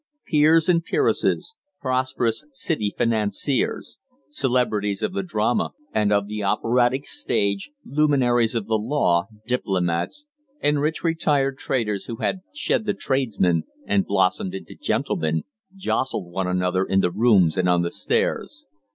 Peers and peeresses, prosperous City financiers, celebrities of the drama and of the operatic stage, luminaries of the law, diplomats, and rich retired traders who had shed the "tradesman" and blossomed into "gentleman," jostled one another in the rooms and on the stairs.